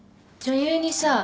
女優にさ